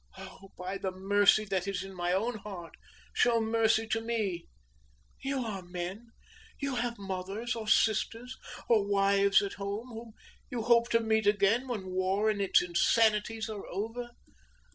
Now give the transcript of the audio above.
Oh! by the mercy that is in my own heart, show mercy to me! You are men! You have mothers, or sisters, or wives at home, whom you hope to meet again, when war and its insanities are over.